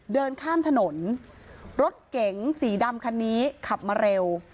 เดินข้ามถนนรถเก๋งสีดำคันนี้ขับมาเร็ว